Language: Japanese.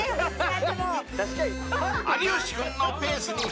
［有吉君のペースに］